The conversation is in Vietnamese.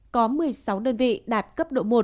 có một mươi sáu đơn vị đạt cấp độ một